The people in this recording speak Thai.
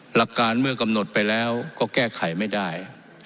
หลักการเมื่อกำหนดไปแล้วก็แก้ไขไม่ได้